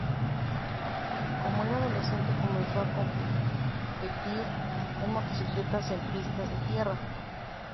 Como era adolescente, comenzó a competir en motocicletas en pistas de tierra.